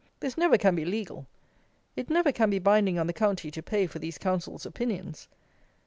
This never can be legal. It never can be binding on the county to pay for these counsels' opinions.